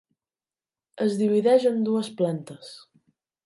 Es divideix en dues plantes.